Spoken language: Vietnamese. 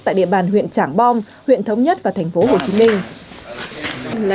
tại địa bàn huyện trảng bom huyện thống nhất và thành phố hồ chí minh